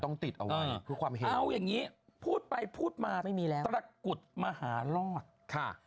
ต้องติดเอาไว้เอาอย่างนี้พูดไปพูดมาไม่มีแล้วตระกุฎมหารอดค่ะ